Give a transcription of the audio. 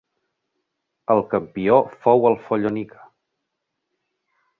El campió fou el Follonica.